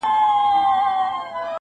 چي اوږدې غاړي لري هغه حلال که!!